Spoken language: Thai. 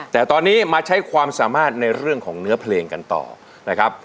แต่ตอนนี้มาใช้ความสามารถในเรื่องของเนื้อเพลงกันต่อนะครับ